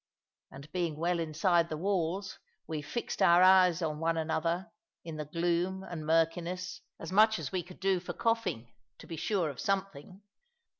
And being well inside the walls, we fixed our eyes on one another, in the gloom and murkiness, as much as we could do for coughing, to be sure of something.